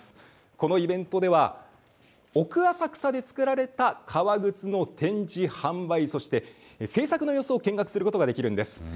このイベントでは奥浅草で作られた革靴の展示・販売、そして製作の様子を見学することができるんです。